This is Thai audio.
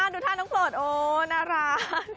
ดูท่าน้องโปรดโอ้น่ารัก